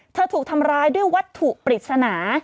ถูกทำร้ายด้วยวัตถุปริศนา